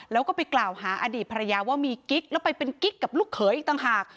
แล้วก็ไปกล่าวหาอดีตภรรยาว่ามีกิ๊กแล้วไปเป็นกิ๊กกับลูกเขยอีกต่างหาก